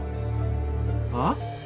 あっ？